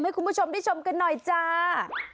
ให้คุณผู้ชมได้ชมกันหน่อยจ้า